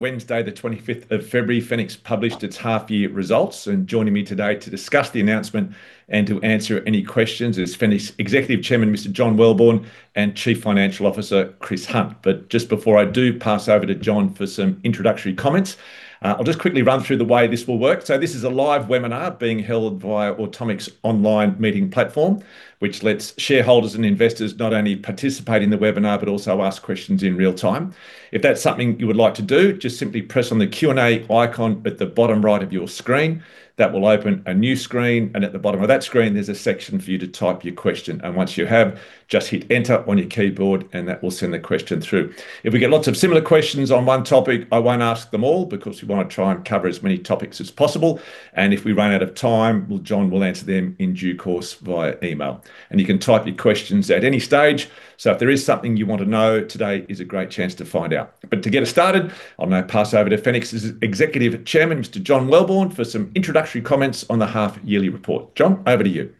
Wednesday, the 25th of February, Fenix published its half-year results. Joining me today to discuss the announcement and to answer any questions is Fenix Executive Chairman, Mr. John Welborn, and Chief Financial Officer, Chris Hunt. Just before I do pass over to John for some introductory comments, I'll just quickly run through the way this will work. This is a live webinar being held via Automic's online meeting platform, which lets shareholders and investors not only participate in the webinar but also ask questions in real time. If that's something you would like to do, just simply press on the Q&A icon at the bottom right of your screen. That will open a new screen, and at the bottom of that screen, there's a section for you to type your question. Once you have, just hit Enter on your keyboard, and that will send the question through. If we get lots of similar questions on one topic, I won't ask them all, because we want to try and cover as many topics as possible. If we run out of time, well, John will answer them in due course via email. You can type your questions at any stage. If there is something you want to know, today is a great chance to find out. To get us started, I'll now pass over to Fenix's Executive Chairman, Mr. John Welborn, for some introductory comments on the half-yearly report. John, over to you.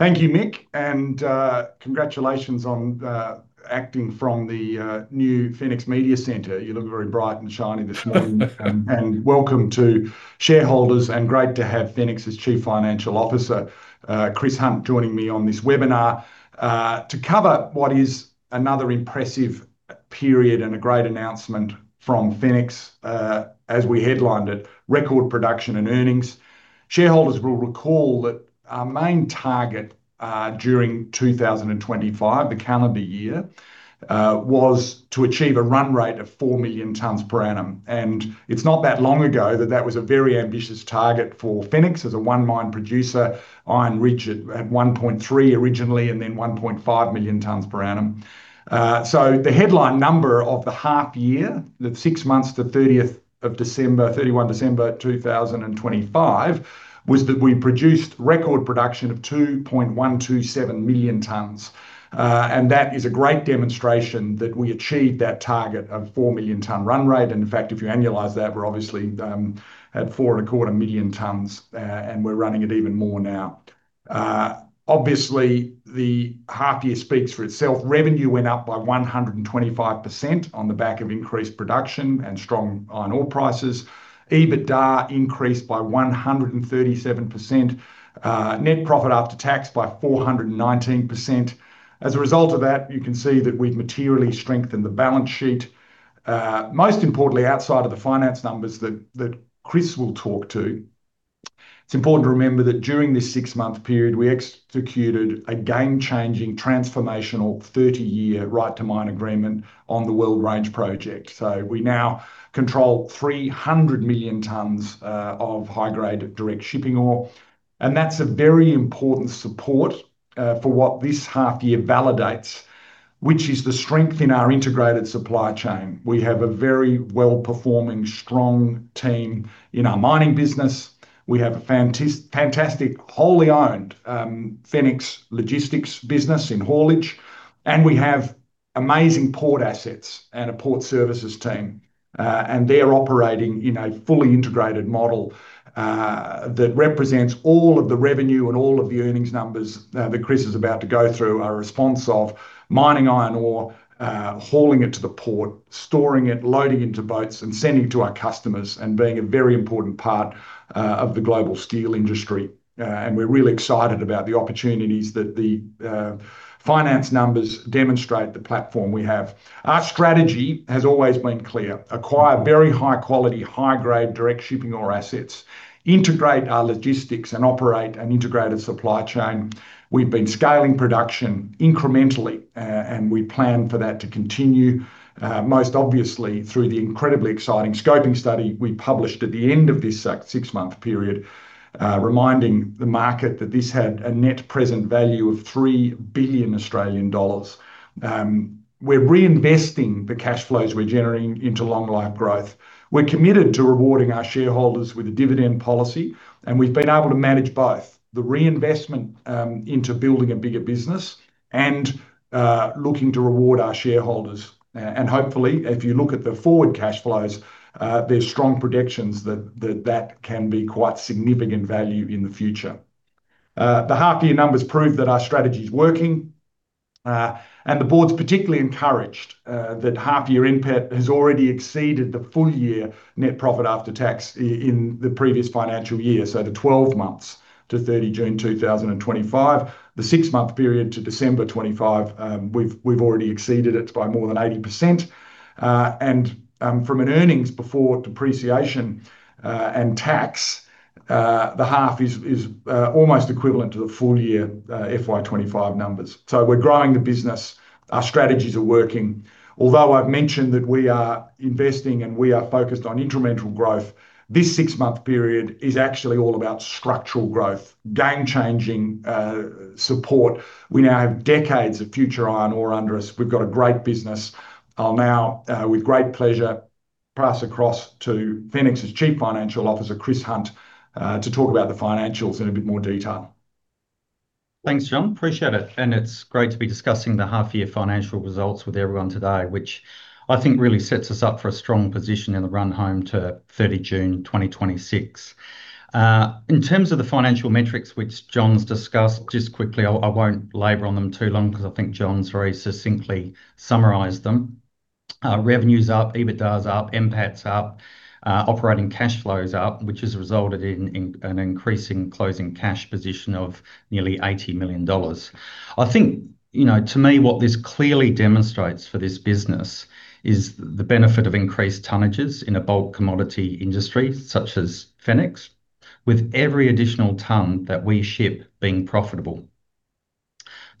Thank you, Nick, and congratulations on acting from the new Fenix Media Centre. You look very bright and shiny this morning. Welcome to shareholders, and great to have Fenix's Chief Financial Officer, Chris Hunt, joining me on this webinar to cover what is another impressive period and a great announcement from Fenix. As we headlined it, Record Production and Earnings. Shareholders will recall that our main target during 2025, the calendar year, was to achieve a run rate of 4 million tonnes per annum. It's not that long ago that that was a very ambitious target for Fenix as a one-mine producer. Iron Ridge at 1.3 originally, and then 1.5 million tonnes per annum. The headline number of the half year, the six months to thirtieth of December, 31 December 2025, was that we produced record production of 2.127 million tons. That is a great demonstration that we achieved that target of 4-million-ton run rate. In fact, if you annualize that, we're obviously at 4.25 million tons, and we're running it even more now. Obviously, the half year speaks for itself. Revenue went up by 125% on the back of increased production and strong iron ore prices. EBITDA increased by 137%, net profit after tax by 419%. As a result of that, you can see that we've materially strengthened the balance sheet. Most importantly, outside of the finance numbers that Chris will talk to. It's important to remember that during this 6-month period, we executed a game-changing, transformational, 30-year right to mine agreement on the Weld Range Project. We now control 300 million tonnes of high-grade direct shipping ore, and that's a very important support for what this half year validates, which is the strength in our integrated supply chain. We have a very well-performing, strong team in our mining business. We have a fantastic, wholly owned Fenix-Newhaul business in haulage, and we have amazing port assets and a port services team. They're operating in a fully integrated model, that represents all of the revenue and all of the earnings numbers that Chris is about to go through. Our response of mining iron ore, hauling it to the port, storing it, loading into boats, and sending it to our customers, and being a very important part of the global steel industry. We're really excited about the opportunities that the finance numbers demonstrate the platform we have. Our strategy has always been clear: acquire very high quality, high grade, direct shipping ore assets, integrate our logistics, and operate an integrated supply chain. We've been scaling production incrementally, and we plan for that to continue most obviously through the incredibly exciting scoping study we published at the end of this six-month period, reminding the market that this had a net present value of 3 billion Australian dollars. We're reinvesting the cash flows we're generating into long life growth. We're committed to rewarding our shareholders with a dividend policy. We've been able to manage both the reinvestment into building a bigger business and looking to reward our shareholders. Hopefully, if you look at the forward cash flows, there's strong predictions that can be quite significant value in the future. The half year numbers prove that our strategy is working. The board's particularly encouraged that half year NPAT has already exceeded the full year net profit after tax in the previous financial year. The 12 months to 30 June 2025, the 6-month period to December 25, we've already exceeded it by more than 80%. From an earnings before depreciation and tax, the half is almost equivalent to the full year FY25 numbers. We're growing the business. Our strategies are working. Although I've mentioned that we are investing and we are focused on incremental growth, this six-month period is actually all about structural growth, game-changing support. We now have decades of future iron ore under us. We've got a great business. I'll now, with great pleasure, pass across to Fenix's Chief Financial Officer, Chris Hunt, to talk about the financials in a bit more detail. Thanks, John. Appreciate it's great to be discussing the half year financial results with everyone today, which I think really sets us up for a strong position in the run home to 30 June 2026. In terms of the financial metrics, which John's discussed, just quickly, I won't labor on them too long, because I think John's very succinctly summarized them. Revenue's up, EBITDA's up, NPAT's up, operating cash flow is up, which has resulted in an increasing closing cash position of nearly 80 million dollars. I think, you know, to me, what this clearly demonstrates for this business is the benefit of increased tonnages in a bulk commodity industry, such as Fenix, with every additional ton that we ship being profitable.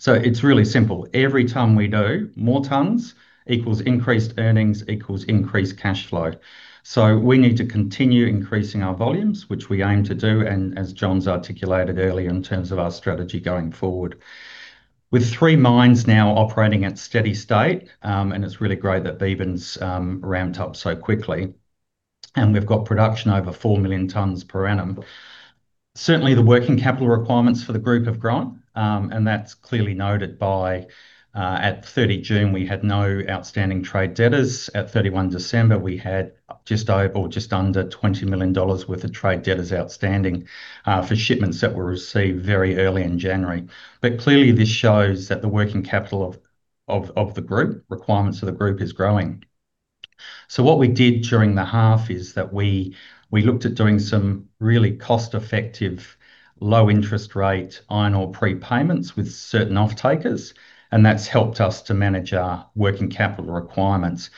It's really simple. Every ton we do, more tons equals increased earnings, equals increased cash flow. We need to continue increasing our volumes, which we aim to do, and as John's articulated earlier, in terms of our strategy going forward. With three mines now operating at steady state, and it's really great that Beebyn's ramped up so quickly, and we've got production over 4 million tons per annum. Certainly, the working capital requirements for the Group have grown, and that's clearly noted by at 30 June, we had no outstanding trade debtors. At 31 December, we had just over or just under $20 million worth of trade debtors outstanding, for shipments that were received very early in January. Clearly, this shows that the working capital of the Group, requirements of the Group is growing. What we did during the half is that we looked at doing some really cost-effective, low-interest rate iron ore prepayments with certain offtakers, and that's helped us to manage our working capital requirements.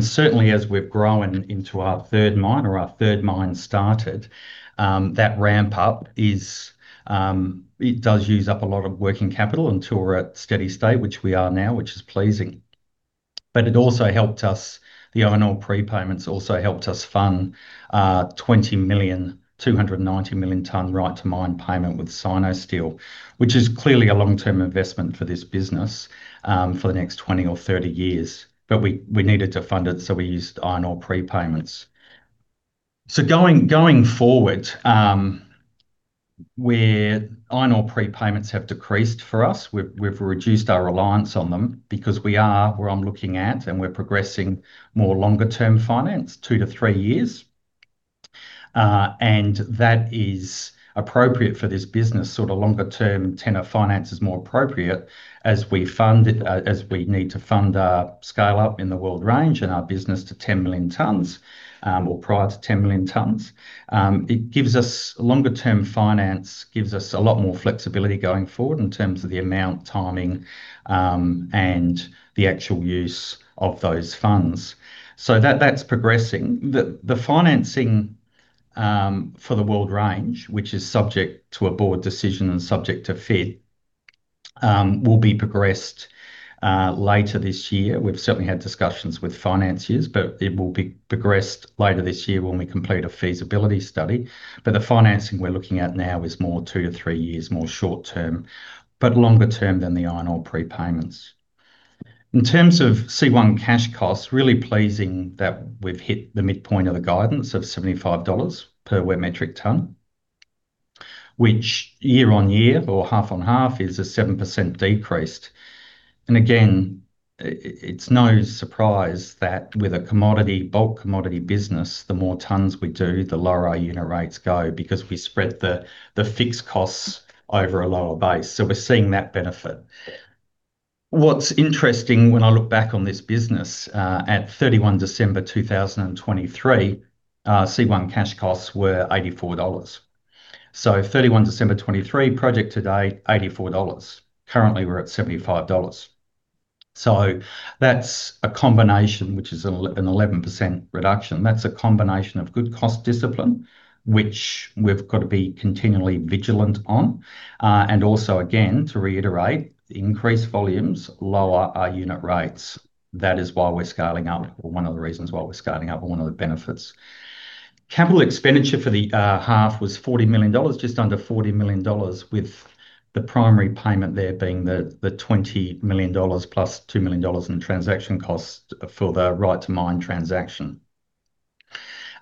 Certainly, as we've grown into our third mine or our third mine started, that ramp up is, it does use up a lot of working capital until we're at steady state, which we are now, which is pleasing. It also helped us, the iron ore prepayments also helped us fund 20 million, 290 million tonne right to mine payment with Sinosteel, which is clearly a long-term investment for this business for the next 20 or 30 years. We needed to fund it, so we used iron ore prepayments. Going forward, where iron ore prepayments have decreased for us, we've reduced our reliance on them because we are, where I'm looking at, and we're progressing more longer-term finance, two to three years. And that is appropriate for this business, sort of longer term tenor finance is more appropriate as we fund, as we need to fund our scale up in the Weld Range and our business to 10 million tonnes, or prior to 10 million tonnes. It gives us longer-term finance, gives us a lot more flexibility going forward in terms of the amount, timing, and the actual use of those funds. That's progressing. The financing for the Weld Range, which is subject to a board decision and subject to FID, will be progressed later this year. We've certainly had discussions with financiers, it will be progressed later this year when we complete a feasibility study. The financing we're looking at now is more 2-3 years, more short term, but longer term than the iron ore prepayments. In terms of C1 cash costs, really pleasing that we've hit the midpoint of the guidance of 75 dollars per wet metric ton, which year-on-year or half-on-half is a 7% decreased. Again, it's no surprise that with a commodity, bulk commodity business, the more tons we do, the lower our unit rates go, because we spread the fixed costs over a lower base. We're seeing that benefit. What's interesting when I look back on this business, at 31 December 2023, C1 cash costs were 84 dollars. 31 December 2023, project today, 84 dollars. Currently, we're at 75 dollars. That's a combination, which is an 11% reduction. That's a combination of good cost discipline, which we've got to be continually vigilant on. Also, again, to reiterate, increased volumes lower our unit rates. That is why we're scaling up, or one of the reasons why we're scaling up, or one of the benefits. Capital expenditure for the half was AUD 40 million, just under AUD 40 million, with the primary payment there being the AUD 20 million plus AUD 2 million in transaction costs for the right to mine transaction.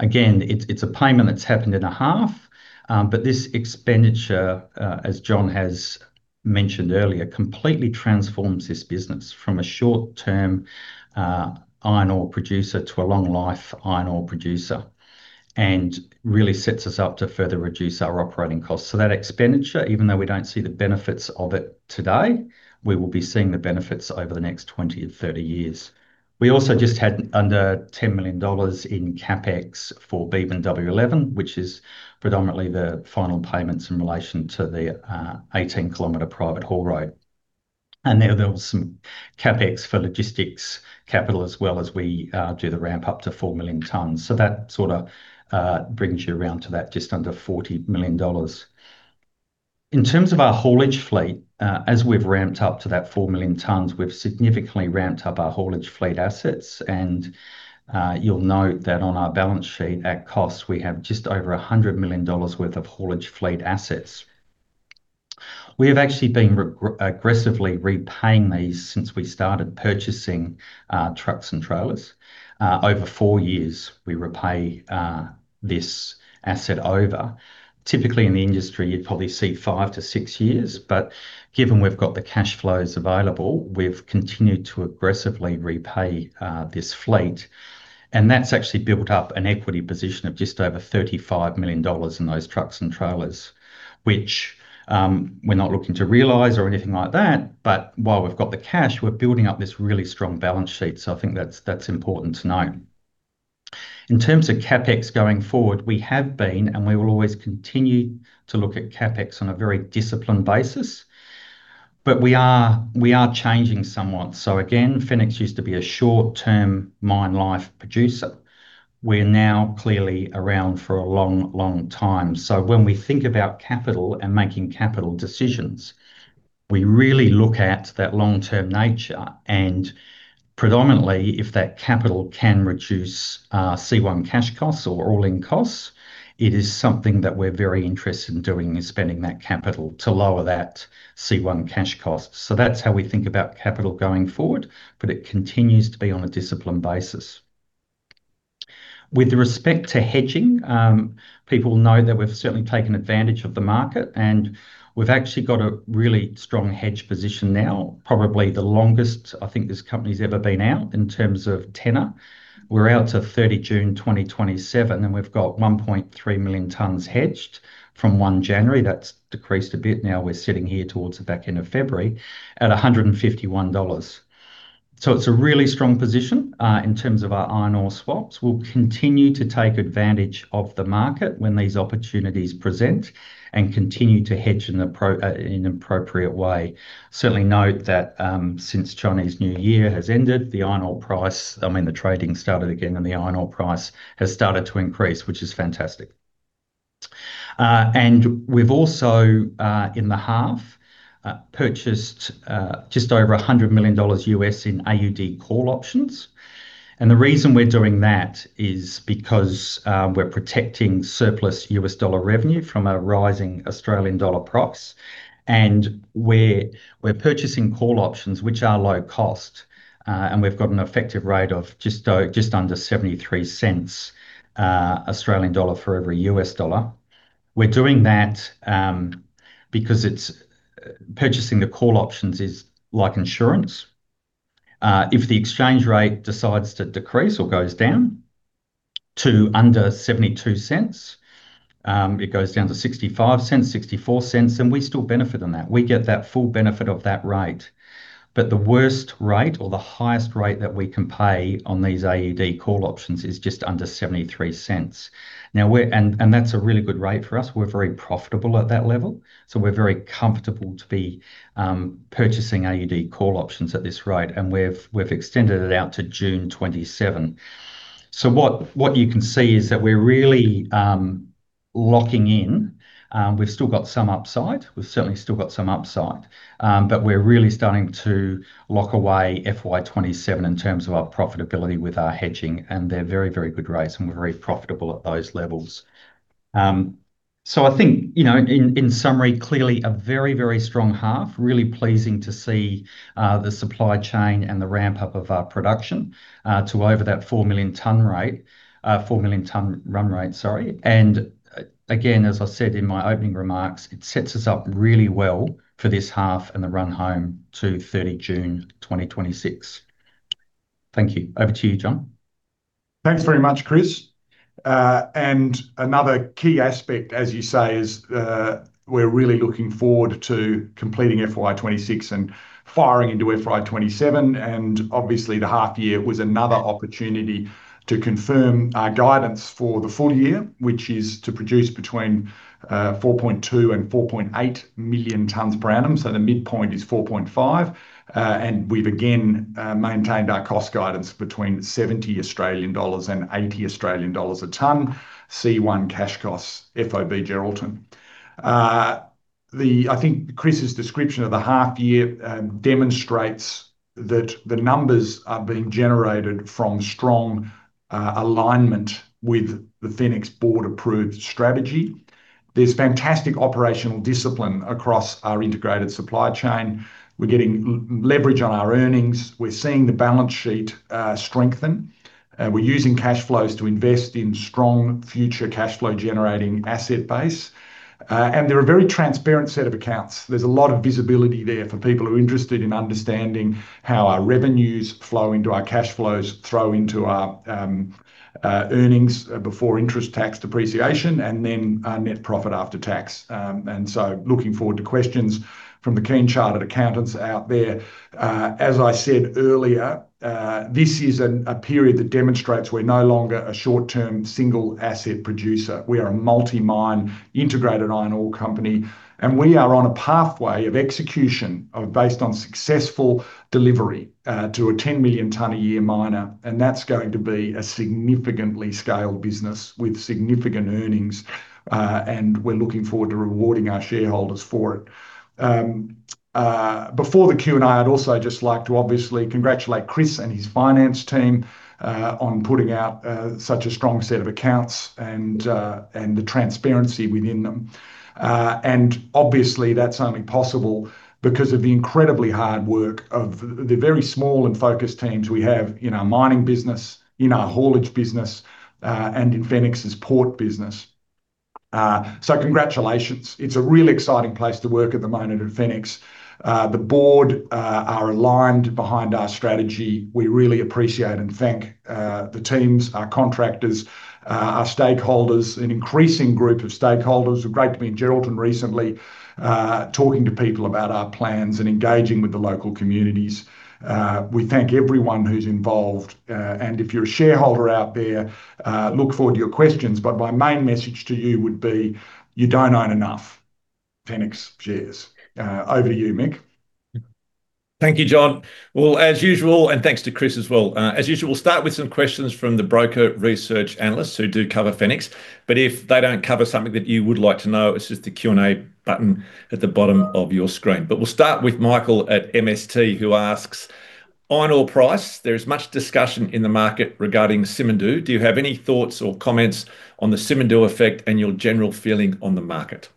It's a payment that's happened in a half, but this expenditure, as John has mentioned earlier, completely transforms this business from a short-term iron ore producer to a long-life iron ore producer, and really sets us up to further reduce our operating costs. That expenditure, even though we don't see the benefits of it today, we will be seeing the benefits over the next 20 to 30 years. We also just had under 10 million dollars in CapEx for Beebyn-W11, which is predominantly the final payments in relation to the 18-kilometer private haul road. There was some CapEx for logistics capital, as well as we do the ramp up to 4 million tonnes. That sort of brings you around to that just under 40 million dollars. In terms of our haulage fleet, as we've ramped up to that 4 million tons, we've significantly ramped up our haulage fleet assets, and you'll note that on our balance sheet at cost, we have just over 100 million dollars worth of haulage fleet assets. We have actually been aggressively repaying these since we started purchasing trucks and trailers. Over 4 years, we repay this asset over. Typically in the industry, you'd probably see 5-6 years, but given we've got the cash flows available, we've continued to aggressively repay this fleet. That's actually built up an equity position of just over 35 million dollars in those trucks and trailers, which we're not looking to realize or anything like that, but while we've got the cash, we're building up this really strong balance sheet. I think that's important to note. In terms of CapEx going forward, we have been, and we will always continue to look at CapEx on a very disciplined basis. We are changing somewhat. Again, Fenix used to be a short-term mine life producer. We're now clearly around for a long time. When we think about capital and making capital decisions, we really look at that long-term nature, and predominantly, if that capital can reduce C1 cash costs or all-in costs, it is something that we're very interested in doing, is spending that capital to lower that C1 cash cost. That's how we think about capital going forward, but it continues to be on a disciplined basis. With respect to hedging, people know that we've certainly taken advantage of the market, and we've actually got a really strong hedge position now, probably the longest I think this company's ever been out in terms of tenor. We're out to 30 June 2027, and we've got 1.3 million tonnes hedged from 1 January. That's decreased a bit, now we're sitting here towards the back end of February, at 151 dollars. It's a really strong position in terms of our iron ore swaps. We'll continue to take advantage of the market when these opportunities present and continue to hedge in an appropriate way. Certainly note that, since Chinese New Year has ended, I mean, the trading started again, and the iron ore price has started to increase, which is fantastic. We've also in the half purchased just over $100 million U.S. in AUD call options. The reason we're doing that is because we're protecting surplus U.S. dollar revenue from a rising Australian dollar price, and we're purchasing call options, which are low cost, and we've got an effective rate of just under 0.73 Australian dollar for every U.S. dollar. We're doing that because purchasing the call options is like insurance. If the exchange rate decides to decrease or goes down to under 0.72, it goes down to 0.65, 0.64, and we still benefit on that. We get that full benefit of that rate. The worst rate or the highest rate that we can pay on these AUD call options is just under 0.73. That's a really good rate for us. We're very profitable at that level, we're very comfortable to be purchasing AUD call options at this rate, and we've extended it out to June 2027. What you can see is that we're really locking in. We've still got some upside. We've certainly still got some upside, but we're really starting to lock away FY27 in terms of our profitability with our hedging, and they're very, very good rates, and we're very profitable at those levels. I think, you know, in summary, clearly a very, very strong half. Really pleasing to see the supply chain and the ramp-up of our production to over that 4 million tonne rate, 4 million tonne run rate, sorry. Again, as I said in my opening remarks, it sets us up really well for this half and the run home to 30 June 2026. Thank you. Over to you, John. Thanks very much, Chris. Another key aspect, as you say, is, we're really looking forward to completing FY26 and firing into FY27. Obviously, the half year was another opportunity to confirm our guidance for the full year, which is to produce between, 4.2 and 4.8 million tonnes per annum. So the midpoint is 4.5. We've again, maintained our cost guidance between 70 Australian dollars and 80 Australian dollars a tonne, C1 cash costs, FOB Geraldton. I think Chris's description of the half year, demonstrates that the numbers are being generated from strong, alignment with the Fenix board-approved strategy. There's fantastic operational discipline across our integrated supply chain. We're getting leverage on our earnings. We're seeing the balance sheet strengthen, we're using cash flows to invest in strong future cash flow-generating asset base. They're a very transparent set of accounts. There's a lot of visibility there for people who are interested in understanding how our revenues flow into our cash flows, flow into our earnings before interest, tax, depreciation, and then our net profit after tax. Looking forward to questions from the keen chartered accountants out there. As I said earlier, this is a period that demonstrates we're no longer a short-term, single-asset producer. We are a multi-mine, integrated iron ore company, and we are on a pathway of execution based on successful delivery to a 10-million-tonne-a-year miner, and that's going to be a significantly scaled business with significant earnings, and we're looking forward to rewarding our shareholders for it. Before the Q&A, I'd also just like to obviously congratulate Chris and his finance team on putting out such a strong set of accounts and the transparency within them. Obviously, that's only possible because of the incredibly hard work of the very small and focused teams we have in our mining business, in our haulage business, and in Fenix's port business. Congratulations. It's a really exciting place to work at the moment at Fenix. The board are aligned behind our strategy. We really appreciate and thank, the teams, our contractors, our stakeholders, an increasing group of stakeholders. It was great to be in Geraldton recently, talking to people about our plans and engaging with the local communities. We thank everyone who's involved, and if you're a shareholder out there, look forward to your questions, but my main message to you would be, you don't own enough Fenix shares. Over to you, Mick. Thank you, John. Well, as usual, and thanks to Chris as well. As usual, we'll start with some questions from the broker research analysts who do cover Fenix. If they don't cover something that you would like to know, it's just the Q&A button at the bottom of your screen. We'll start with Michael at MST, who asks: "Iron ore price. There is much discussion in the market regarding Simandou. Do you have any thoughts or comments on the Simandou effect and your general feeling on the market?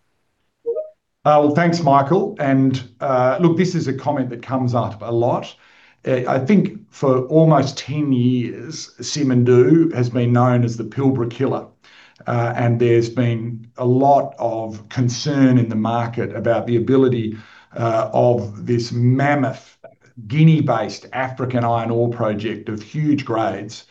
Well, thanks, Michael, and look, this is a comment that comes up a lot. I think for almost 10 years, Simandou has been known as the Pilbara killer, and there's been a lot of concern in the market about the ability of this mammoth Guinea-based African iron ore project of huge grades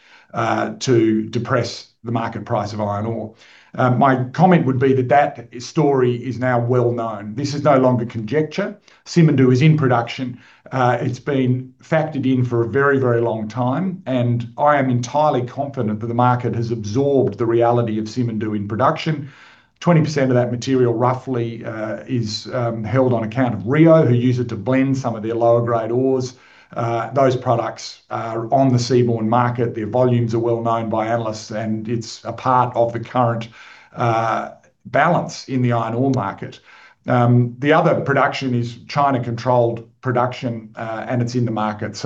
to depress the market price of iron ore. My comment would be that that story is now well known. This is no longer conjecture. Simandou is in production. It's been factored in for a very, very long time, and I am entirely confident that the market has absorbed the reality of Simandou in production. 20% of that material, roughly, is held on account of Rio, who use it to blend some of their lower-grade ores. Those products are on the seaborne market. Their volumes are well known by analysts, and it's a part of the current balance in the iron ore market. The other production is China-controlled production, and it's in the market.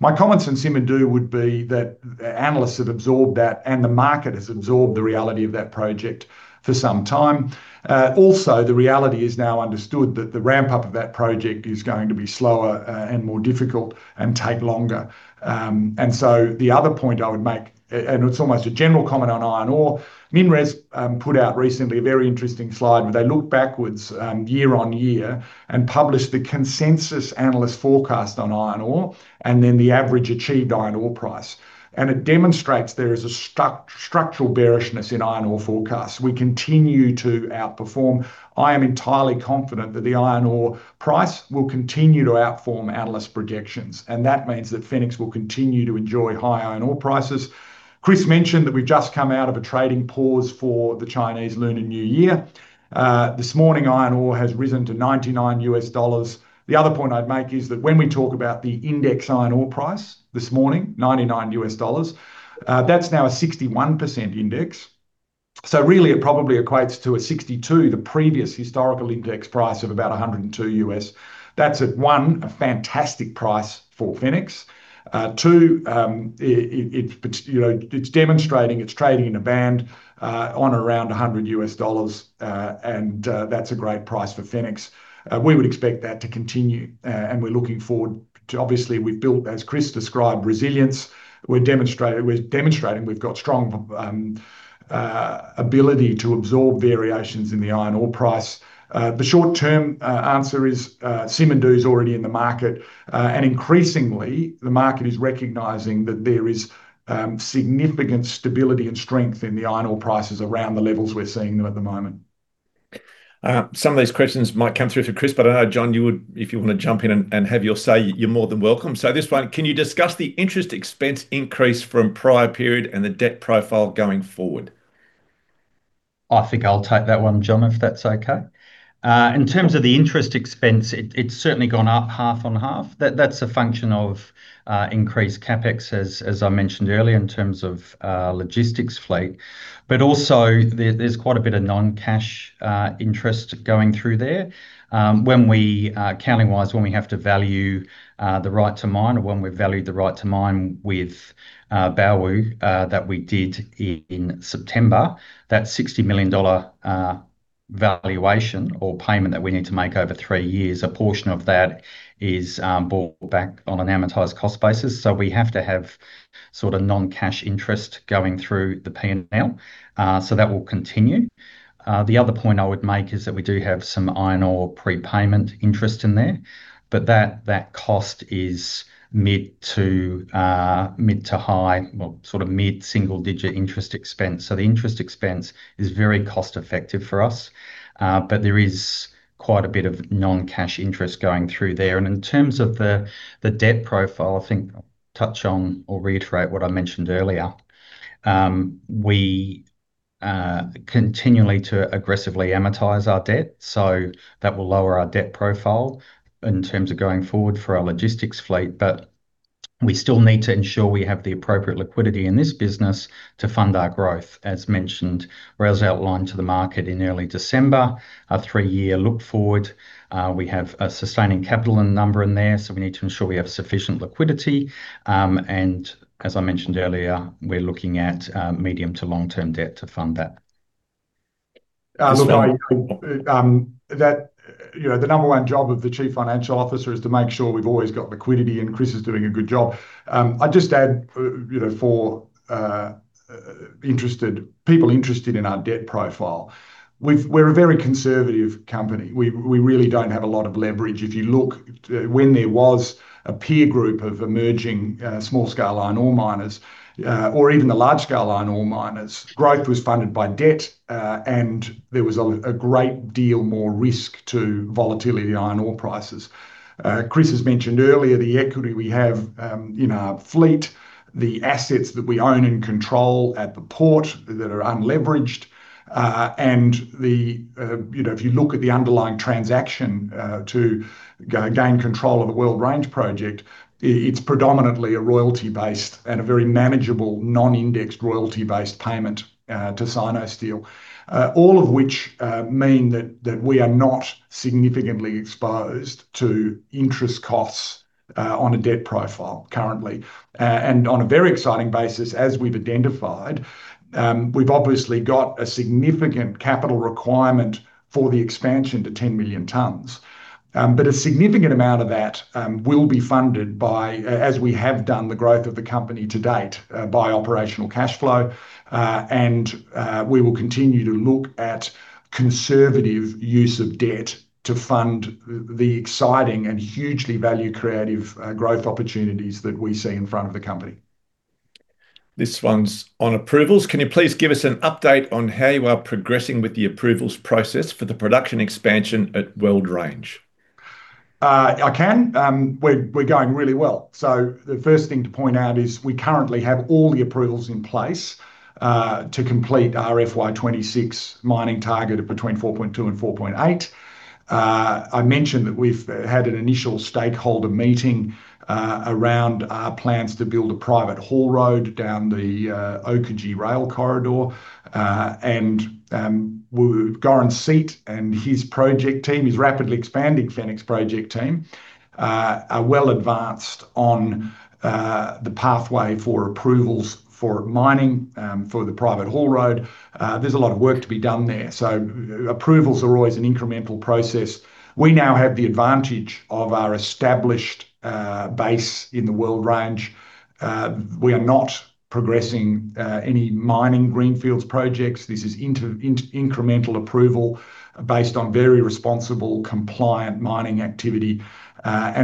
My comments on Simandou would be that the analysts have absorbed that, and the market has absorbed the reality of that project for some time. Also, the reality is now understood that the ramp-up of that project is going to be slower, and more difficult and take longer. The other point I would make, and it's almost a general comment on iron ore, MinRes, put out recently a very interesting slide, where they looked backwards, year on year and published the consensus analyst forecast on iron ore and then the average achieved iron ore price. It demonstrates there is a structural bearishness in iron ore forecasts. We continue to outperform. I am entirely confident that the iron ore price will continue to outperform analyst projections, that means that Fenix will continue to enjoy high iron ore prices. Chris mentioned that we've just come out of a trading pause for the Chinese Lunar New Year. This morning, iron ore has risen to $99. The other point I'd make is that when we talk about the index iron ore price this morning, $99, that's now a 61% index. Really, it probably equates to a 62, the previous historical index price of about $102. That's, one, a fantastic price for Fenix. You know, it's demonstrating, it's trading in a band on around $100. That's a great price for Fenix. We would expect that to continue. We're looking forward to... Obviously, we've built, as Chris described, resilience. We're demonstrating we've got strong ability to absorb variations in the iron ore price. The short-term answer is Simandou is already in the market. Increasingly the market is recognizing that there is significant stability and strength in the iron ore prices around the levels we're seeing them at the moment. Some of these questions might come through for Chris, but I know, John, if you want to jump in and have your say, you're more than welcome. This one: "Can you discuss the interest expense increase from prior period and the debt profile going forward? I think I'll take that one, John, if that's okay. In terms of the interest expense, it's certainly gone up half on half. That's a function of increased CapEx, as I mentioned earlier, in terms of logistics fleet. Also there's quite a bit of non-cash interest going through there. When we accounting-wise, when we have to value the right to mine, or when we valued the right to mine with Baowu, that we did in September, that $60 million valuation or payment that we need to make over 3 years, a portion of that is brought back on an amortized cost basis. We have to have sort of non-cash interest going through the P&L. That will continue. The other point I would make is that we do have some iron ore prepayment interest in there, but that cost is mid to mid to high, well, sort of mid-single-digit interest expense. The interest expense is very cost effective for us, but there is quite a bit of non-cash interest going through there. In terms of the debt profile, I think touch on or reiterate what I mentioned earlier. We continually to aggressively amortize our debt. That will lower our debt profile in terms of going forward for our logistics fleet, but we still need to ensure we have the appropriate liquidity in this business to fund our growth. As mentioned, or as outlined to the market in early December, our three-year look forward, we have a sustaining capital and number in there, so we need to ensure we have sufficient liquidity. As I mentioned earlier, we're looking at medium to long-term debt to fund that. You know, the number one job of the Chief Financial Officer is to make sure we've always got liquidity, and Chris is doing a good job. I'd just add, you know, for interested, people interested in our debt profile. We're a very conservative company. We really don't have a lot of leverage. If you look, when there was a peer group of emerging, small-scale iron ore miners, or even the large-scale iron ore miners, growth was funded by debt, and there was a great deal more risk to volatility iron ore prices. Chris has mentioned earlier the equity we have in our fleet, the assets that we own and control at the port that are unleveraged. You know, if you look at the underlying transaction, to gain control of the Weld Range project, it's predominantly a royalty-based and a very manageable, non-indexed, royalty-based payment, to Sinosteel. All of which mean that we are not significantly exposed to interest costs on a debt profile currently. On a very exciting basis, as we've identified, we've obviously got a significant capital requirement for the expansion to 10 million tonnes. A significant amount of that will be funded by, as we have done the growth of the company to date, by operational cashflow. We will continue to look at conservative use of debt to fund the exciting and hugely value creative growth opportunities that we see in front of the company. This one's on approvals: Can you please give us an update on how you are progressing with the approvals process for the production expansion at Weld Range? I can. We're going really well. The first thing to point out is we currently have all the approvals in place to complete our FY26 mining target of between 4.2 and 4.8. I mentioned that we've had an initial stakeholder meeting around our plans to build a private haul road down the OPR corridor. Goran Seat and his project team, his rapidly expanding Fenix project team, are well advanced on the pathway for approvals for mining for the private haul road. There's a lot of work to be done there, so approvals are always an incremental process. We now have the advantage of our established base in the Weld Range. We are not progressing any mining greenfields projects. This is incremental approval based on very responsible, compliant mining activity.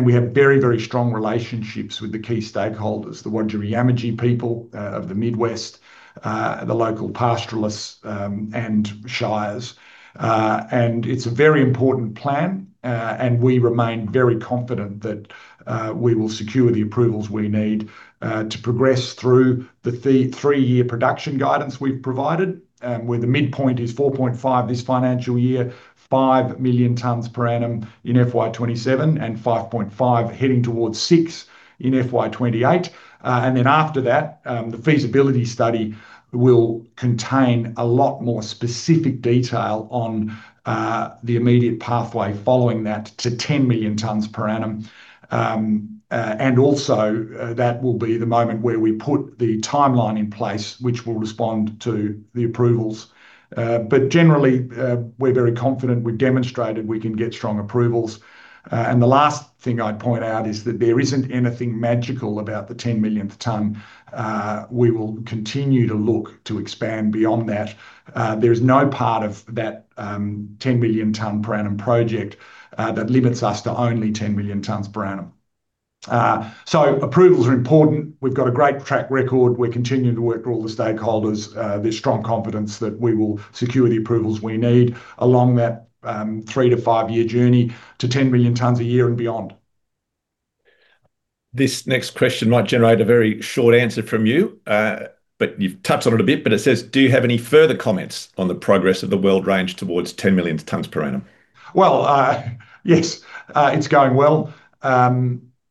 We have very, very strong relationships with the key stakeholders, the Wajarri Yamaji people, of the Mid-West, the local pastoralists, and shires. It's a very important plan, and we remain very confident that we will secure the approvals we need to progress through the three-year production guidance we've provided, where the midpoint is 4.5 this financial year, 5 million tonnes per annum in FY27, and 5.5 heading towards 6 in FY28. Then after that, the feasibility study will contain a lot more specific detail on the immediate pathway following that to 10 million tonnes per annum. Also, that will be the moment where we put the timeline in place, which will respond to the approvals. Generally, we're very confident. We've demonstrated we can get strong approvals. The last thing I'd point out is that there isn't anything magical about the 10 millionth tonne. We will continue to look to expand beyond that. There is no part of that, 10 million tonne per annum project, that limits us to only 10 million tonnes per annum. Approvals are important. We've got a great track record. We're continuing to work with all the stakeholders. There's strong confidence that we will secure the approvals we need along that, 3-to-5-year journey to 10 million tonnes a year and beyond. This next question might generate a very short answer from you've touched on it a bit, but it says: Do you have any further comments on the progress of the Weld Range towards 10 million tonnes per annum? Yes, it's going well.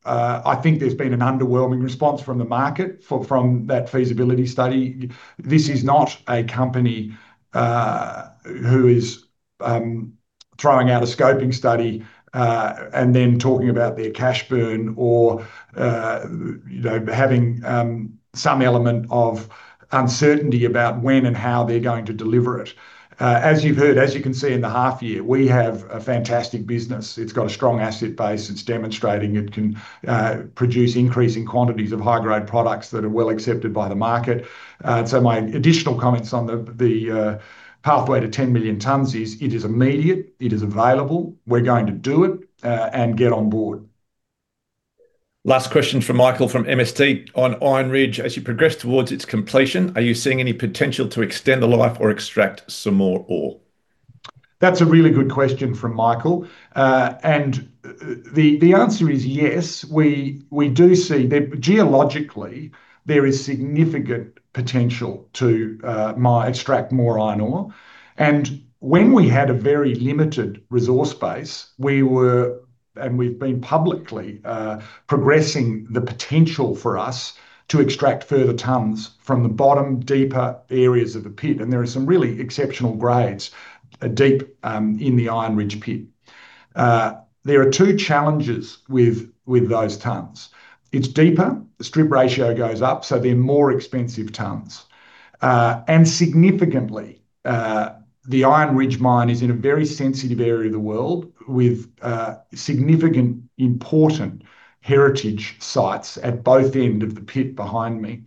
I think there's been an underwhelming response from the market for that feasibility study. This is not a company who is throwing out a scoping study and then talking about their cash burn or, you know, having some element of uncertainty about when and how they're going to deliver it. As you've heard, as you can see in the half year, we have a fantastic business. It's got a strong asset base. It's demonstrating it can produce increasing quantities of high-grade products that are well accepted by the market. My additional comments on the pathway to 10 million tons is, it is immediate, it is available, we're going to do it, and get on board. Last question from Michael, from MST, on Iron Ridge: As you progress towards its completion, are you seeing any potential to extend the life or extract some more ore? That's a really good question from Michael. The answer is yes. We do see. Geologically, there is significant potential to extract more iron ore. When we had a very limited resource base, we were, and we've been publicly progressing the potential for us to extract further tons from the bottom, deeper areas of the pit, and there are some really exceptional grades deep in the Iron Ridge pit. There are two challenges with those tons. It's deeper, the strip ratio goes up, so they're more expensive tons. Significantly, the Iron Ridge mine is in a very sensitive area of the world, with significant, important heritage sites at both end of the pit behind me.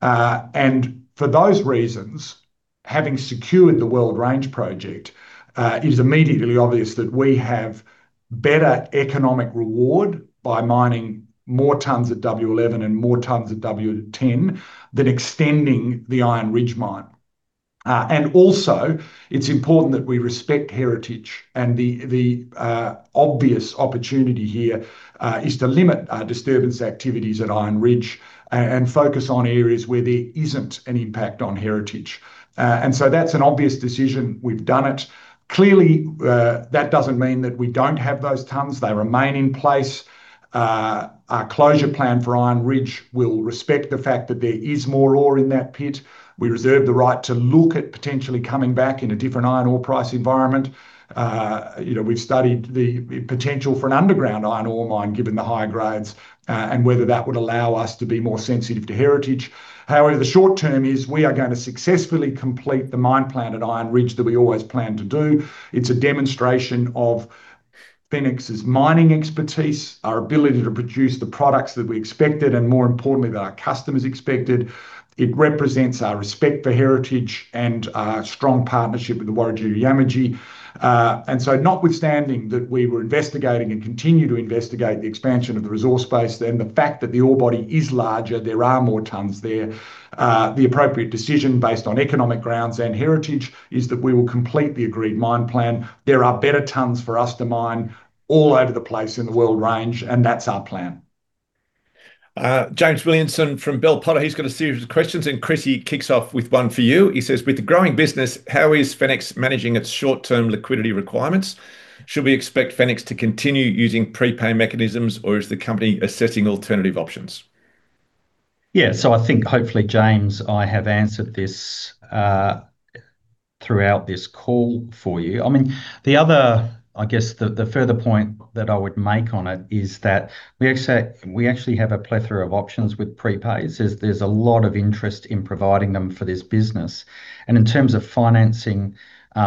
For those reasons, having secured the Weld Range project, is immediately obvious that we have better economic reward by mining more tons at W11 and more tons at W10 than extending the Iron Ridge mine. Also, it's important that we respect heritage, and the obvious opportunity here is to limit disturbance activities at Iron Ridge and focus on areas where there isn't an impact on heritage. That's an obvious decision. We've done it. Clearly, that doesn't mean that we don't have those tons. They remain in place. Our closure plan for Iron Ridge will respect the fact that there is more ore in that pit. We reserve the right to look at potentially coming back in a different iron ore price environment. you know, we've studied the potential for an underground iron ore mine, given the higher grades, and whether that would allow us to be more sensitive to heritage. However, the short term is we are going to successfully complete the mine plan at Iron Ridge that we always planned to do. It's a demonstration of Fenix's mining expertise, our ability to produce the products that we expected and, more importantly, that our customers expected. It represents our respect for heritage and our strong partnership with the Wajarri Yamaji. Notwithstanding that we were investigating and continue to investigate the expansion of the resource base, the fact that the ore body is larger, there are more tonnes there. The appropriate decision, based on economic grounds and heritage, is that we will complete the agreed mine plan. There are better tons for us to mine all over the place in the Weld Range. That's our plan. James Williamson from Bell Potter, he's got a series of questions. Chris, he kicks off with one for you. He says: "With the growing business, how is Fenix managing its short-term liquidity requirements? Should we expect Fenix to continue using prepay mechanisms, or is the company assessing alternative options? I think hopefully, James, I have answered this throughout this call for you. I mean, I guess the further point that I would make on it is that we actually have a plethora of options with prepays. There's a lot of interest in providing them for this business, and in terms of financing,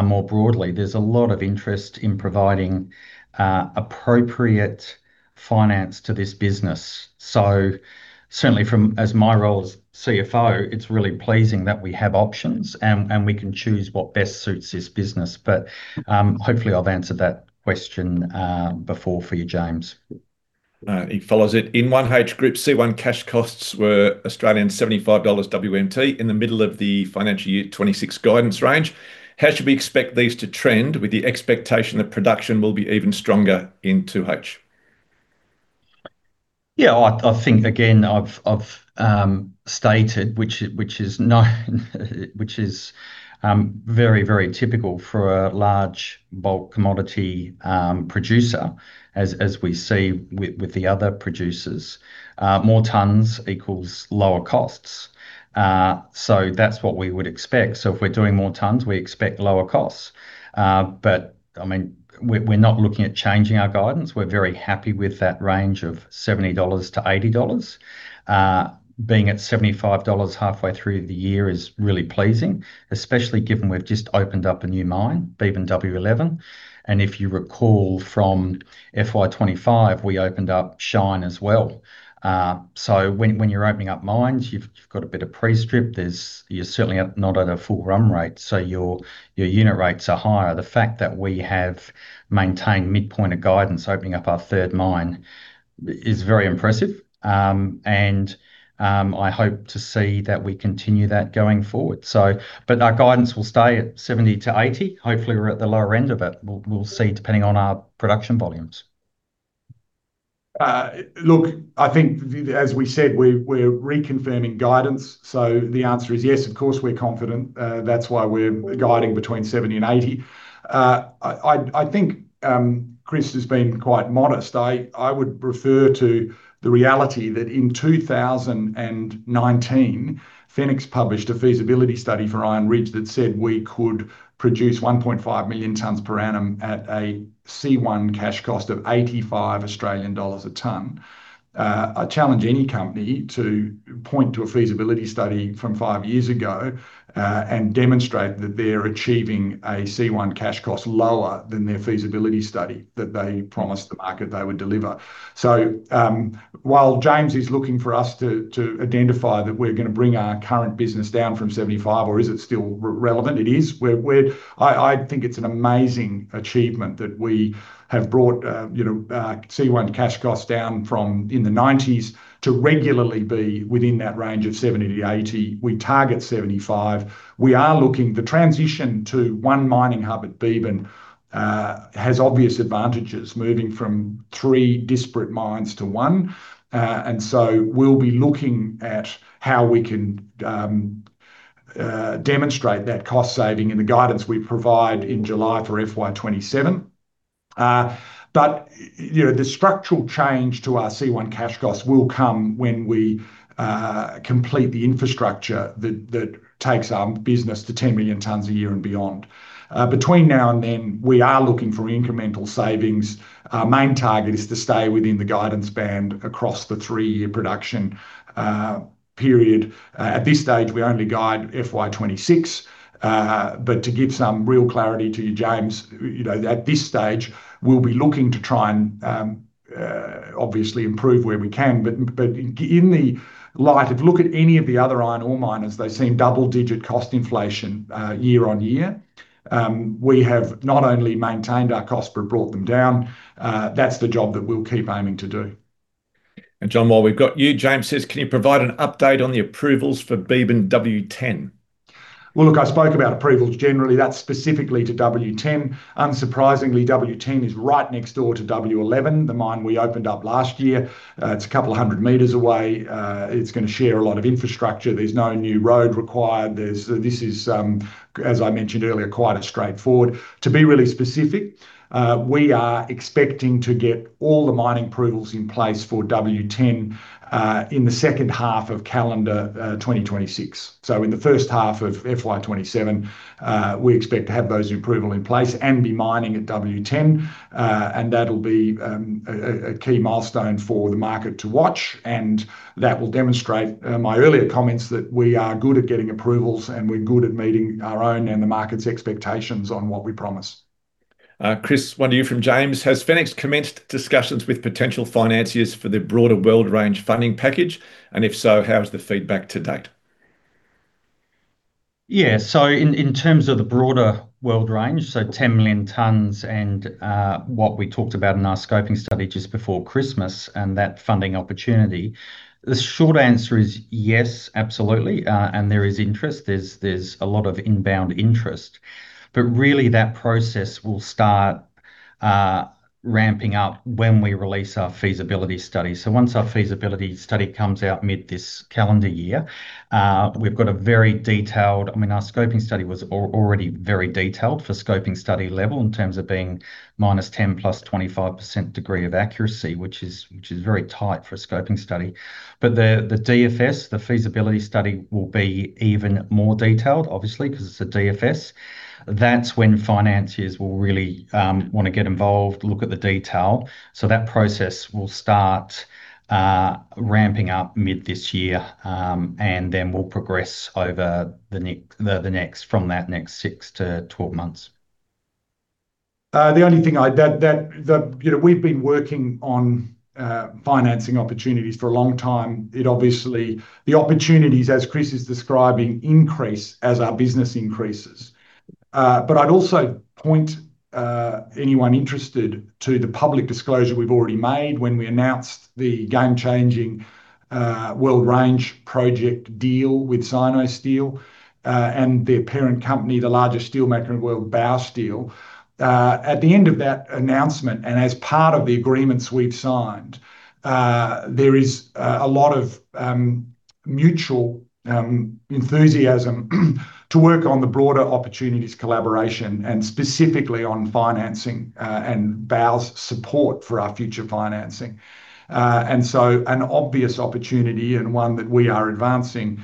more broadly, there's a lot of interest in providing appropriate finance to this business. Certainly from, as my role as CFO, it's really pleasing that we have options, and we can choose what best suits this business. Hopefully, I've answered that question before for you, James. He follows it. In 1H Group, C1 cash costs were 75 Australian dollars WMT in the middle of the FY26 guidance range. How should we expect these to trend with the expectation that production will be even stronger in 2H? Yeah, I think, again, I've stated, which is known, which is very, very typical for a large bulk commodity producer, as we see with the other producers. More tonnes equals lower costs. That's what we would expect. If we're doing more tonnes, we expect lower costs. I mean, we're not looking at changing our guidance. We're very happy with that range of $70-$80. Being at $75 halfway through the year is really pleasing, especially given we've just opened up a new mine, Beebyn-W11. If you recall from FY25, we opened up Shine as well. When you're opening up mines, you've got a bit of pre-strip. You're certainly at, not at a full run rate, so your unit rates are higher. The fact that we have maintained midpoint of guidance opening up our third mine is very impressive. And I hope to see that we continue that going forward. But our guidance will stay at 70-80. Hopefully, we're at the lower end of it. We'll see, depending on our production volumes. Look, as we said, we're reconfirming guidance, the answer is yes, of course, we're confident. That's why we're guiding between 70 and 80. I think Chris Hunt has been quite modest. I would refer to the reality that in 2019, Fenix Resources published a feasibility study for Iron Ridge that said we could produce 1.5 million tonnes per annum at a C1 cash cost of 85 Australian dollars a tonne. I challenge any company to point to a feasibility study from 5 years ago and demonstrate that they're achieving a C1 cash cost lower than their feasibility study that they promised the market they would deliver. While James Williamson is looking for us to identify that we're gonna bring our current business down from 75, or is it still relevant? It is. I think it's an amazing achievement that we have brought, you know, C1 cash costs down from in the nineties to regularly be within that range of 70-80. We target 75. The transition to one mining hub at Beebyn has obvious advantages, moving from 3 disparate mines to one. We'll be looking at how we can demonstrate that cost saving and the guidance we provide in July for FY27. You know, the structural change to our C1 cash costs will come when we complete the infrastructure that takes our business to 10 million tons a year and beyond. Between now and then, we are looking for incremental savings. Our main target is to stay within the guidance band across the 3-year production period. At this stage, we only guide FY26. To give some real clarity to you, James, you know, at this stage, we'll be looking to try and obviously improve where we can. In the light of Look at any of the other iron ore miners, they've seen double-digit cost inflation year-on-year. We have not only maintained our costs but brought them down. That's the job that we'll keep aiming to do. John, while we've got you, James says: "Can you provide an update on the approvals for Beebyn W10? Look, I spoke about approvals generally. That's specifically to W10. Unsurprisingly, W10 is right next door to W11, the mine we opened up last year. It's a couple of 100 meters away. It's gonna share a lot of infrastructure. There's no new road required. This is, as I mentioned earlier, quite straightforward. To be really specific, we are expecting to get all the mining approvals in place for W10 in the second half of calendar 2026. In the first half of FY 2027, we expect to have those approval in place and be mining at W10. That'll be a key milestone for the market to watch, and that will demonstrate my earlier comments that we are good at getting approvals, and we're good at meeting our own and the market's expectations on what we promise. Chris, one to you from James: "Has Fenix commenced discussions with potential financiers for the broader Weld Range funding package? If so, how is the feedback to date? In, in terms of the broader Weld Range, so 10 million tonnes and what we talked about in our scoping study just before Christmas and that funding opportunity, the short answer is yes, absolutely, and there is interest. There's a lot of inbound interest, but really, that process will start ramping up when we release our feasibility study. Once our feasibility study comes out mid this calendar year, we've got a very detailed... I mean, our scoping study was already very detailed for scoping study level in terms of being -10, +25% degree of accuracy, which is very tight for a scoping study. But the DFS, the feasibility study, will be even more detailed, obviously, because it's a DFS. That's when financiers will really want to get involved, look at the detail. That process will start ramping up mid this year, and then we'll progress over the next, from that next 6-12 months. The only thing I, you know, we've been working on financing opportunities for a long time. It obviously, the opportunities, as Chris is describing, increase as our business increases. I'd also point anyone interested to the public disclosure we've already made when we announced the game-changing Weld Range project deal with Sinosteel and their parent company, the largest steelmaker in the world, Baowu. At the end of that announcement, and as part of the agreements we've signed, there is a lot of mutual enthusiasm to work on the broader opportunities, collaboration, and specifically on financing, and Baowu's support for our future financing. An obvious opportunity, and one that we are advancing,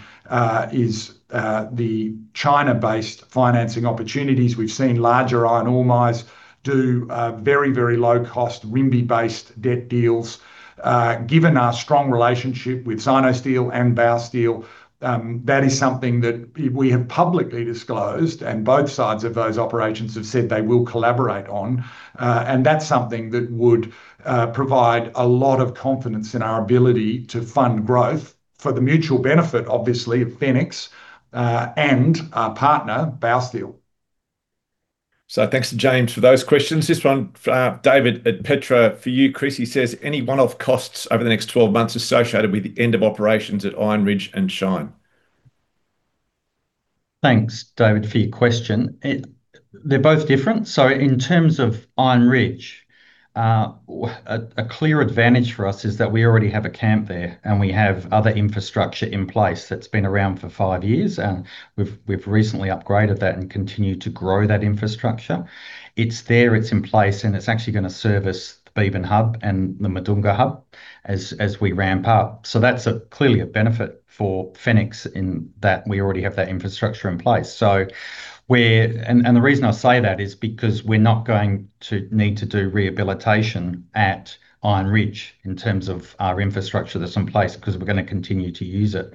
is the China-based financing opportunities. We've seen larger iron ore mines do very low-cost renminbi-based debt deals. Given our strong relationship with Sinosteel and Baowu, that is something that we have publicly disclosed, and both sides of those operations have said they will collaborate on. That's something that would provide a lot of confidence in our ability to fund growth for the mutual benefit, obviously, of Fenix, and our partner, Baowu. Thanks to James for those questions. This one, David at Petra, for you, Chris. He says: "Any one-off costs over the next 12 months associated with the end of operations at Iron Ridge and Shine? Thanks, David, for your question. They're both different. In terms of Iron Ridge, a clear advantage for us is that we already have a camp there, and we have other infrastructure in place that's been around for five years, and we've recently upgraded that and continued to grow that infrastructure. It's there, it's in place, and it's actually gonna service the Beebyn hub and the Madoonga hub as we ramp up. That's a clearly a benefit for Fenix in that we already have that infrastructure in place. The reason I say that is because we're not going to need to do rehabilitation at Iron Ridge in terms of our infrastructure that's in place, 'cause we're gonna continue to use it.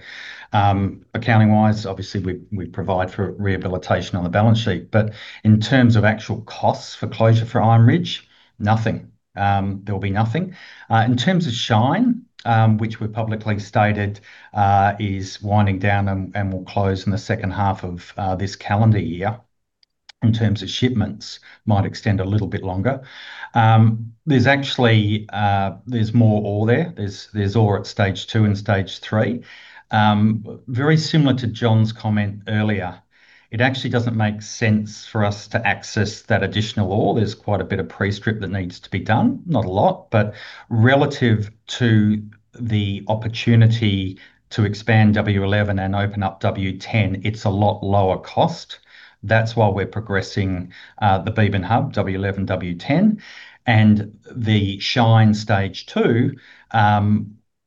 Accounting-wise, obviously, we provide for rehabilitation on the balance sheet, but in terms of actual costs for closure for Iron Ridge, nothing. There will be nothing. In terms of Shine, which we've publicly stated, is winding down and will close in the second half of this calendar year, in terms of shipments, might extend a little bit longer. There's actually more ore there. There's ore at stage 2 and stage 3. Very similar to John's comment earlier, it actually doesn't make sense for us to access that additional ore. There's quite a bit of pre-strip that needs to be done. Not a lot, relative to the opportunity to expand W11 and open up W10, it's a lot lower cost. That's why we're progressing the Beebyn Hub, W11, W10, and the Shine Stage two,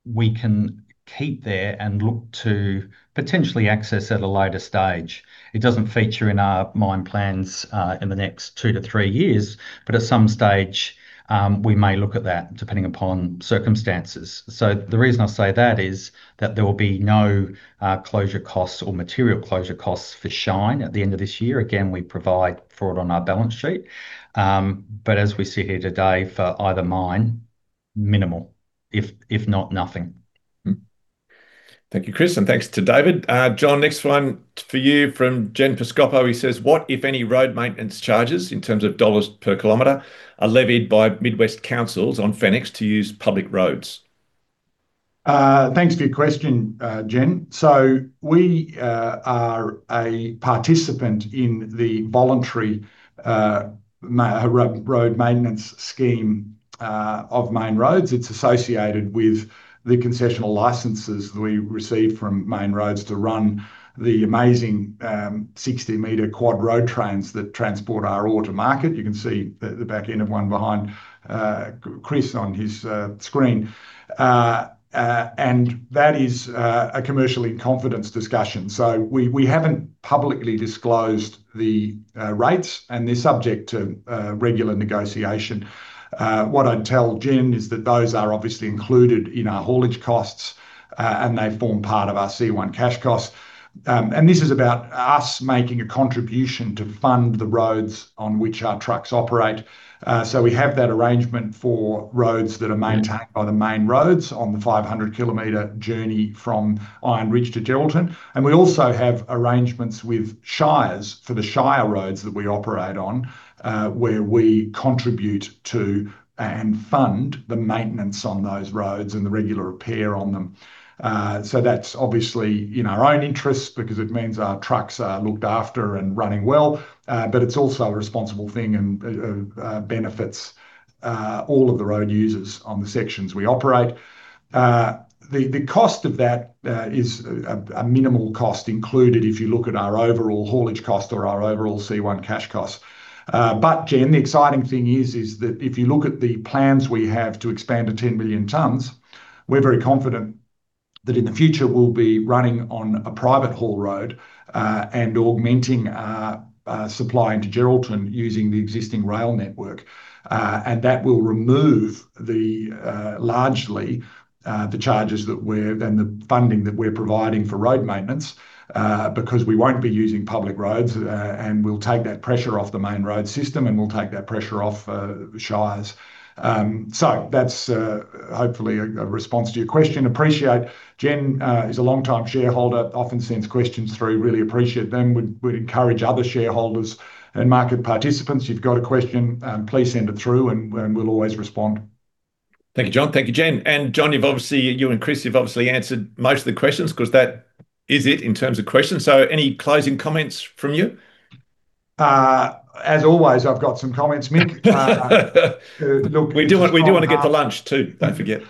we can keep there and look to potentially access at a later stage. It doesn't feature in our mine plans in the next 2-3 years, but at some stage, we may look at that, depending upon circumstances. The reason I say that is that there will be no closure costs or material closure costs for Shine at the end of this year. Again, we provide for it on our balance sheet. As we sit here today, for either mine, minimal, if not nothing. Thank you, Chris, and thanks to David. John, next one for you from Jen Pascoe, he says: "What, if any, road maintenance charges, in terms of AUD per kilometer, are levied by Mid-West councils on Fenix to use public roads? Thanks for your question, Jen. We are a participant in the voluntary road maintenance scheme of Main Roads. It's associated with the concessional licenses we received from Main Roads to run the amazing 60-meter quad road trains that transport our ore to market. You can see the back end of one behind Chris on his screen. That is a commercial-in-confidence discussion. We haven't publicly disclosed the rates, and they're subject to regular negotiation. What I'd tell Jen is that those are obviously included in our haulage costs, and they form part of our C1 cash costs. This is about us making a contribution to fund the roads on which our trucks operate. We have that arrangement for roads that are maintained.... by the main roads on the 500-kilometer journey from Iron Ridge to Geraldton. We also have arrangements with shires, for the shire roads that we operate on, where we contribute to and fund the maintenance on those roads and the regular repair on them. That's obviously in our own interests because it means our trucks are looked after and running well, but it's also a responsible thing and benefits all of the road users on the sections we operate. The cost of that is a minimal cost included if you look at our overall haulage cost or our overall C1 cash costs. Jen, the exciting thing is that if you look at the plans we have to expand to 10 billion tons, we're very confident that in the future we'll be running on a private haul road, and augmenting our supply into Geraldton using the existing rail network. That will remove the largely the charges and the funding that we're providing for road maintenance, because we won't be using public roads, and we'll take that pressure off the main road system, and we'll take that pressure off the shires. That's hopefully, a response to your question. Appreciate, Jen, is a long-time shareholder, often sends questions through. Really appreciate them. Would encourage other shareholders and market participants, if you've got a question, please send it through, and we'll always respond. Thank you, John. Thank you, Jen. John, you and Chris, you've obviously answered most of the questions 'cause that is it in terms of questions. Any closing comments from you? As always, I've got some comments, Mick. We do, we do want to get to lunch too, don't forget.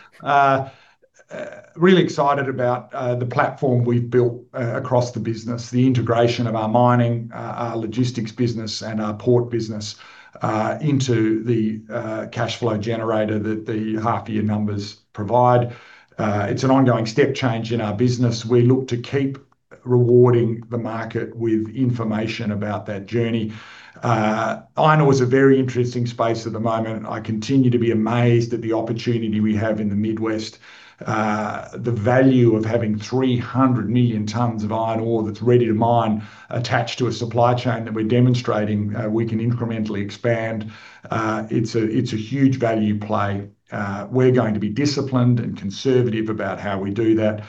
Really excited about the platform we've built across the business, the integration of our mining, our logistics business and our port business into the cashflow generator that the half-year numbers provide. It's an ongoing step change in our business. We look to keep rewarding the market with information about that journey. Iron ore is a very interesting space at the moment, and I continue to be amazed at the opportunity we have in the Mid-West. The value of having 300 million tonnes of iron ore that's ready to mine, attached to a supply chain that we're demonstrating, we can incrementally expand, it's a huge value play. We're going to be disciplined and conservative about how we do that.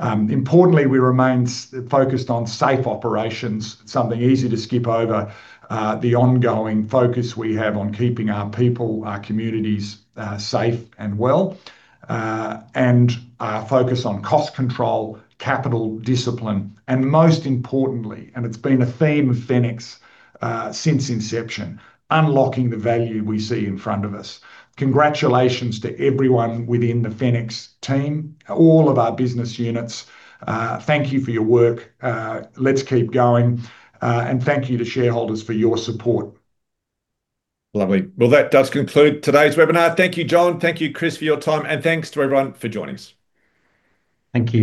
Importantly, we remain focused on safe operations, something easy to skip over, the ongoing focus we have on keeping our people, our communities, safe and well, and our focus on cost control, capital discipline, and most importantly, it's been a theme of Fenix since inception, unlocking the value we see in front of us. Congratulations to everyone within the Fenix team, all of our business units. Thank you for your work. Let's keep going, and thank you to shareholders for your support. Lovely. That does conclude today's webinar. Thank you, John. Thank you, Chris, for your time, and thanks to everyone for joining us. Thank you.